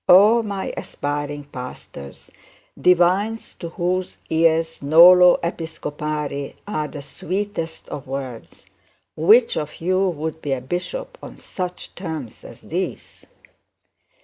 Oh! my aspiring pastors, divines to whose ears nolo episcopari are the sweetest of words, which of you would be a bishop on such terms as these?